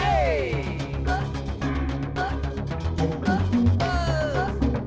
atau tiga orang di belakang